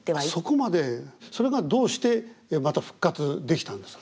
それがどうしてまた復活できたんですか？